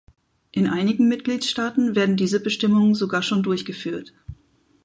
In einigen Mitgliedstaaten werden diese Bestimmungen sogar schon durchgeführt.